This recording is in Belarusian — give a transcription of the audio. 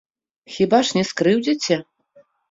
Хіба ж не скрыўдзіце?